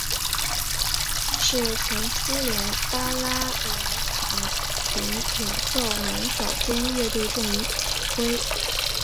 他是前苏联巴拉莱卡琴演奏能手兼乐队的著名指挥。